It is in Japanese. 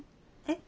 え？